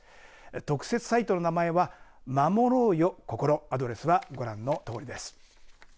特設サイトの名前はまもろうよこころアドレスはご覧のとおりです。